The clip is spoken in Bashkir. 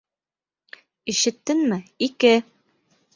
Ишеттеңме, ике!